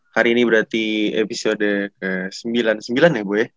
hari ini berarti episode ke sembilan puluh sembilan ya bu ya